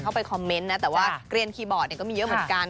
เขาไปคอมเม้นท์นะแต่เกลียนคีย์บอร์ดก็มีเยอะเหมือนกัน